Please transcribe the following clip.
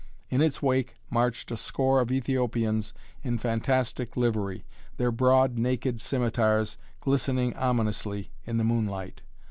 In its wake marched a score of Ethiopians in fantastic livery, their broad, naked scimitars glistening ominously in the moonlight.